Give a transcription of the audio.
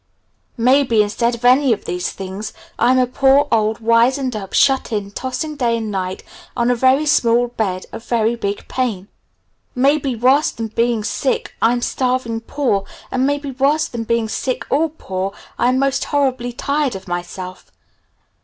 Maybe, instead of any of these things, I'm a poor, old wizened up, Shut In, tossing day and night on a very small bed of very big pain. Maybe worse than being sick I'm starving poor, and maybe, worse than being sick or poor, I am most horribly tired of myself.